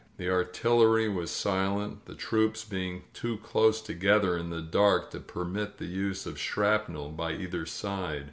The artillery was silent, the troops being too close to gether in the dark to permit the use of shrapnel by either side.